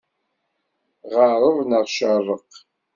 Ɣeṛṛeb, neɣ ceṛṛeq!